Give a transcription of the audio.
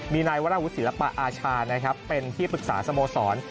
มีนายวาระวุศิลปะอาชาเป็นที่ปรึกษาสโมสร